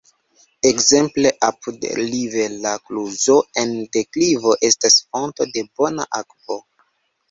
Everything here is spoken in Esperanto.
Ekzemple apud rivera kluzo en deklivo estas fonto de bona akvo.